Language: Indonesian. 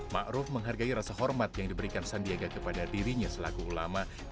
ma'ruf menghargai rasa hormat yang diberikan sandiaga kepada dirinya selaku ulama